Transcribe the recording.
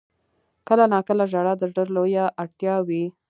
• کله ناکله ژړا د زړه لویه اړتیا وي.